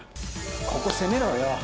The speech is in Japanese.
ここ攻めろよ。